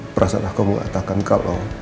perasaan aku mengatakan kalau